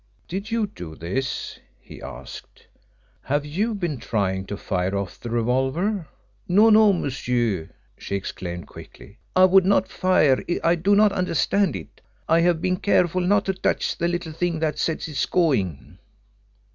"Did you do this?" he asked: "Have you been trying to fire off the revolver?" "No, no, monsieur," she exclaimed quickly. "I would not fire it, I do not understand it. I have been careful not to touch the little thing that sets it going."